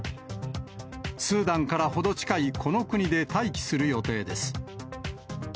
スーダンから程近いこの国で待機する予定です。